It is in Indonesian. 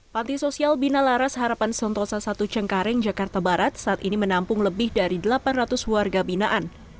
panti sosial bina laras harapan sentosa i cengkareng jakarta barat saat ini menampung lebih dari delapan ratus warga binaan